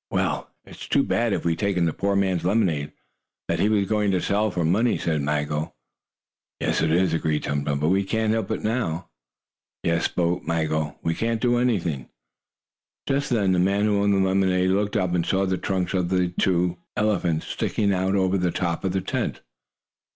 "Well, it's too bad if we've taken the poor man's lemonade, that he was going to sell for money," said Maggo. "Yes, it is," agreed Tum Tum. "But we can't help it now." "Yes," spoke Maggo. "We can't do anything." Just then the man who owned the lemonade looked up, and saw the trunks of the two elephants sticking out over the top of the tent.